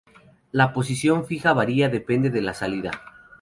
La posición fija varía depende de la salida.